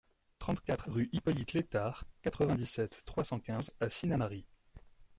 trente-quatre rue Hippolyte Lètard, quatre-vingt-dix-sept, trois cent quinze à Sinnamary